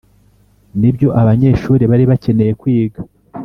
Ni byo abanyeshuri bari bakeneye kwiga